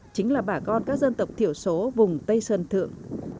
chính là bà con các dân tộc thiểu số vùng tây sơn thượng